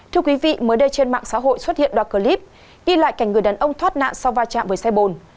thưa quý vị mới đây trên mạng xã hội xuất hiện đoạn clip ghi lại cảnh người đàn ông thoát nạn sau va chạm với xe bồn